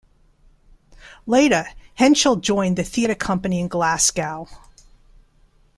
Later, Henshall joined the theater company in Glasgow.